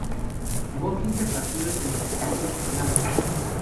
Jugó quince partidos, en los que no consiguió anotar.